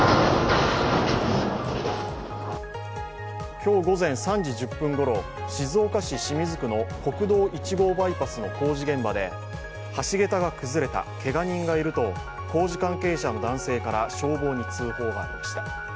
今日午前３時１０分ごろ静岡市清水区の国道１号バイパスの工事現場で橋桁が崩れたけが人がいると工事関係者の男性から消防に通報がありました。